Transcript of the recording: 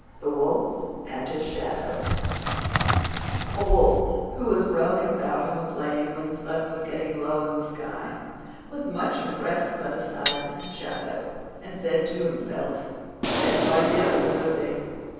THE WOLF AND HIS SHADOW A Wolf, who was roaming about on the plain when the sun was getting low in the sky, was much impressed by the size of his shadow, and said to himself, "I had no idea I was so big.